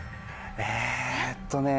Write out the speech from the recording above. えっとね。